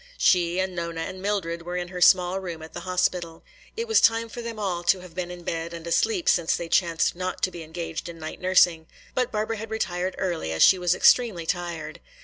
She and Nona and Mildred were in her small room at the hospital. It was time for them all to have been in bed and asleep, since they chanced not to be engaged in night nursing. But Barbara had retired early, as she was extremely tired.